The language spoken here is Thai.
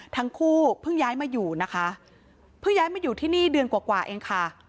ทั้งคู่เพิ่งย้ายมาอยู่นะคะเพิ่งย้ายมาอยู่ที่นี่เดือนกว่ากว่าเองค่ะ